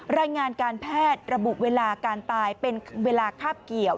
รายงานการแพทย์ระบุเวลาการตายเป็นเวลาคาบเกี่ยว